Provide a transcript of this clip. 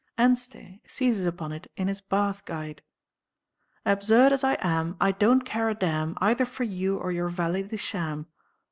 Anstey seizes upon it in his 'Bath Guide': "Absurd as I am, I don't care a damn Either for you or your valet de sham."